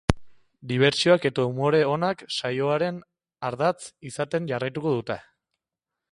Dibertsioak eta umore onak saioaren ardatz izaten jarraituko dute.